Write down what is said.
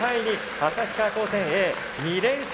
旭川高専Ａ２連勝。